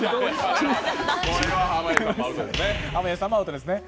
濱家さんもアウトですね